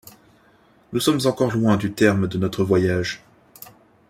Nous sommes encore loin du terme de notre voyage.